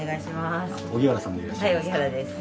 荻原さんでいらっしゃいますか？